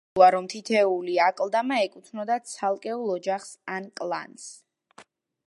სავარაუდოა, რომ თითოეული აკლდამა ეკუთვნოდა ცალკეულ ოჯახს ან კლანს.